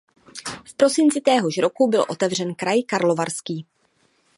V prosinci téhož roku byl otevřen kraj Karlovarský.